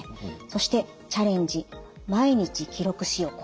そして「チャレンジ」「毎日記録しよう」。